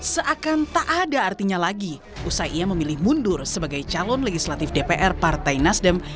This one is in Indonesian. seakan tak ada artinya lagi usai ia memilih mundur sebagai calon legislatif dpr partai nasdem